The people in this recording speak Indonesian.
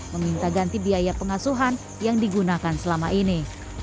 meminta ganti biaya pengasuhan yang digunakan selama ini